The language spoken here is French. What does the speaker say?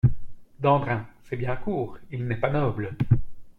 Dandrin… c’est bien court ; il n’est pas noble.